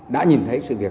đã nhìn thấy sự việc